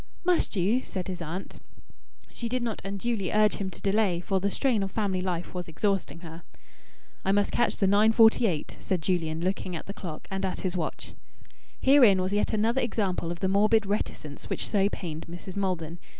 "Must you?" said his aunt. She did not unduly urge him to delay, for the strain of family life was exhausting her. "I must catch the 9.48," said Julian, looking at the clock and at his watch. Herein was yet another example of the morbid reticence which so pained Mrs. Maldon.